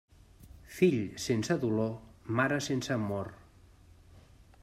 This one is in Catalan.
Fill sense dolor, mare sense amor.